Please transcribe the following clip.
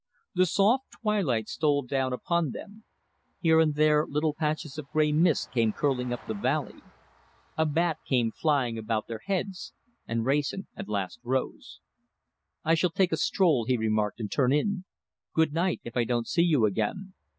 The soft twilight stole down upon them; here and there little patches of grey mist came curling up the valley. A bat came flying about their heads, and Wrayson at last rose. "I shall take a stroll." he remarked, "and turn in. Good night, if I don't see you again!"